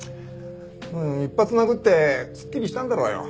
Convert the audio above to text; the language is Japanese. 一発殴ってすっきりしたんだろうよ。